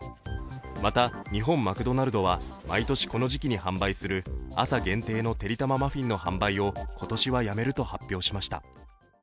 また、日本マクドナルドは毎年この時期に販売する朝限定のてりたまマフィンの販売を今年はやめると発表しました。